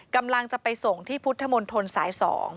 กำลังจะไปส่งที่พุทธมนตรสาย๒